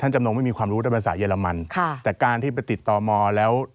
ท่านจำนงไม่มีความรู้พิษฐาแบบภาษาเยอรมไลน์แต่การที่ไปติดต่อหมอแล้ว